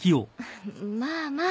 まあまあ。